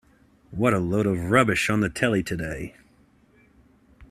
What a load of rubbish on the telly today.